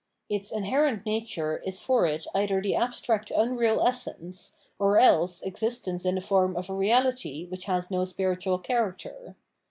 Its inher ent nature is for it either the abstract unreal essence, or else existence in the form of a reality which has no spiritual character.